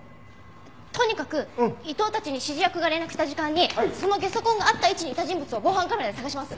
とにかく伊藤たちに指示役が連絡した時間にそのゲソ痕があった位置にいた人物を防犯カメラで捜します。